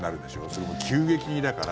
それも急激にだから。